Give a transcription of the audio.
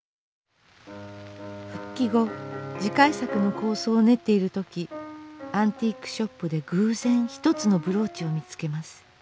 復帰後次回作の構想を練っている時アンティークショップで偶然ひとつのブローチを見つけます。